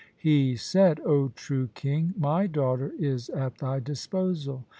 He said, ' O true king, my daughter is at thy disposal.'